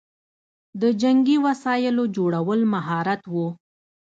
د جنګي وسایلو جوړول مهارت و